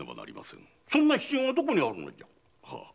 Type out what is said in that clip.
そんな必要がどこにあるのじゃ？